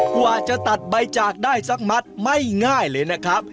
กว่าจะตัดใบจากได้สักมัดไม่ง่ายเลยนะครับ